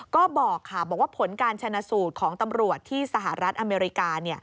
ก็บอกค่ะบอกว่าผลการชนะสูตรของตำรวจที่สหรัฐอเมริกา